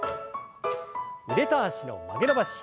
腕と脚の曲げ伸ばし。